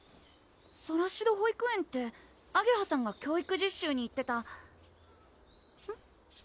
ソラシド保育園ってあげはさんが教育実習に行ってたうん？